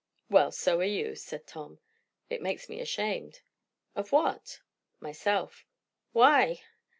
'" "Well, so are you," said Tom. "It makes me ashamed." "Of what?" "Myself." "Why?"